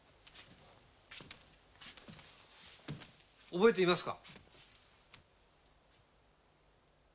覚えていますか？